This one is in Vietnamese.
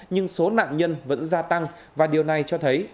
nhưng số nạn nhân vẫn gia tăng và điều này cho thấy